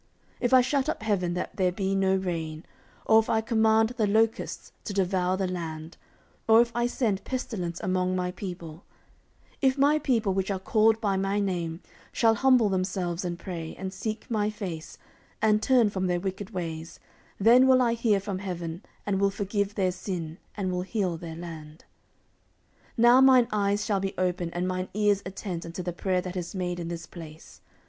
14:007:013 If I shut up heaven that there be no rain, or if I command the locusts to devour the land, or if I send pestilence among my people; 14:007:014 If my people, which are called by my name, shall humble themselves, and pray, and seek my face, and turn from their wicked ways; then will I hear from heaven, and will forgive their sin, and will heal their land. 14:007:015 Now mine eyes shall be open, and mine ears attent unto the prayer that is made in this place.